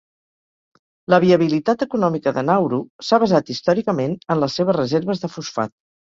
La viabilitat econòmica de Nauru s'ha basat històricament en les seves reserves de fosfat.